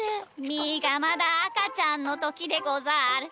みーがまだあかちゃんのときでござる。